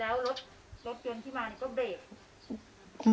แล้วรถเตือนที่มาก็เบรก